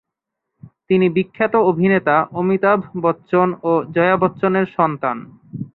তিনি বিখ্যাত অভিনেতা অমিতাভ বচ্চন ও জয়া বচ্চনের সন্তান।